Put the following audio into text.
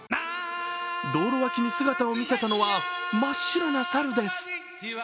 道路脇に姿を見せたのは、真っ白な猿です。